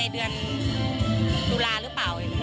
ดุลารึเปล่า